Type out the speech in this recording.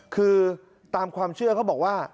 คือตามความเชื่อเขาบอกว่า